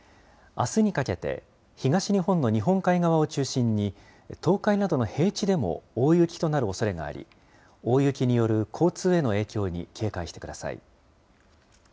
あすにかけて、東日本の日本海側を中心に、東海などの平地でも大雪となるおそれがあり、大雪による交通への影響に警戒してください。